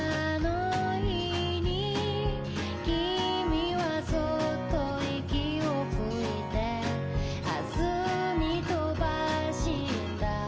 「きみはそっと息を吹いて」「明日に飛ばした」